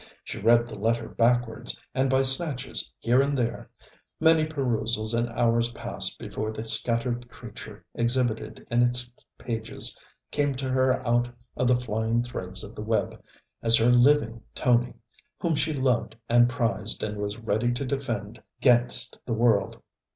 She read the letter backwards, and by snatches here and there; many perusals and hours passed before the scattered creature exhibited in its pages came to her out of the flying threads of the web as her living Tony, whom she loved and prized and was ready to defend gainst the world.